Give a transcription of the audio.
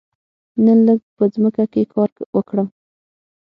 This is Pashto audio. نن لږ په ځمکه کې کار وکړم.